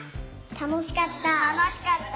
たのしかった。